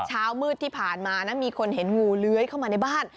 เช้ามืดที่ผ่านมานะมีคนเห็นงูเลื้อยเข้ามาในบ้าน